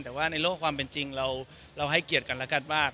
แต่ว่าในโลกความเป็นจริงเราให้เกียรติกันแล้วกันว่า